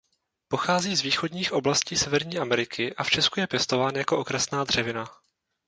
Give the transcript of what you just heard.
Pochází z východních oblastí Severní Ameriky a v Česku je pěstován jako okrasná dřevina.